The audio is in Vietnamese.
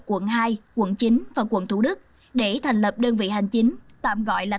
quận hai quận chín và quận thủ đức để thành lập đơn vị hành chính tạm gọi là